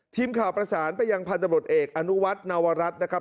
ทีมข่าวประสานไปยังพันธบรดเอกอนุวัฒนวรัฐนะครับ